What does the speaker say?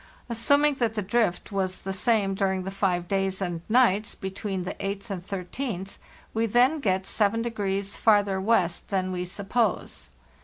As suming that the drift was the same during the five days and nights between the 8th and 13th, we then get 7° farther west than we suppose.